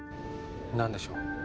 何でしょう